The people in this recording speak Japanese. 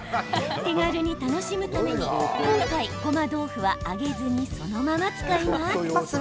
手軽に楽しむために今回、ごま豆腐は揚げずにそのまま使います。